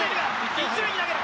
１塁に投げる。